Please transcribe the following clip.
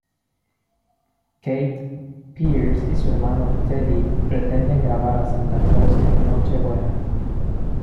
Kate Pierce y su hermano Teddy pretenden grabar a Santa Claus en Nochebuena.